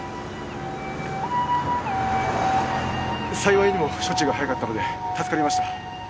幸いにも処置が早かったので助かりました